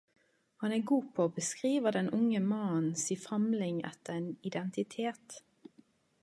Han er god på å beskriva den unge mannen si famling etter ein identitet.